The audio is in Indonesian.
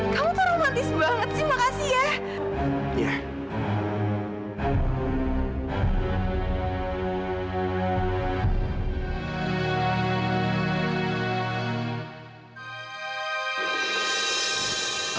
kamu tuh romantis banget sih makasih ya